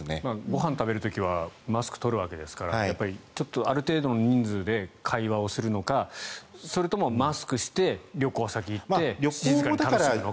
ご飯食べる時はマスクを取るわけですからある程度の人数で会話をするのかそれともマスクして旅行先に行くのかという。